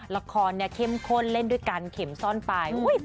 ละครเนี่ยเข้มข้นเล่นด้วยกันเข็มซ่อนไป